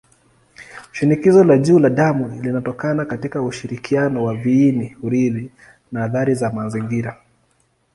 Shinikizo la juu la damu linatokana katika ushirikiano wa viini-urithi na athari za mazingira.